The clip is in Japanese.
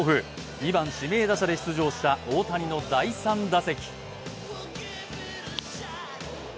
２番・指名打者で出場した大谷の第３打席。